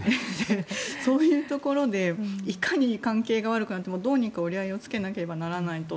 そういうところでいかに関係が悪くなってもどうにか折り合いをつけなければならないと。